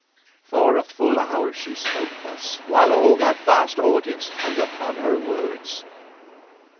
For a full hour she spoke thus, while all that vast audience hung upon her words.